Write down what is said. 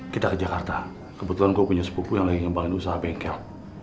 kita ke jakarta kebetulan gue punya sepupu yang lagi ngembangin usaha bengkel